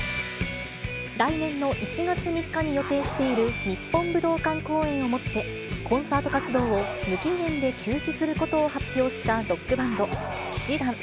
来年の１月３日に予定している日本武道館公演をもって、コンサート活動を無期限で休止することを発表したロックバンド、氣志團。